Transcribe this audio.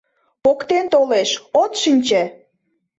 — Поктен толеш, от шинче!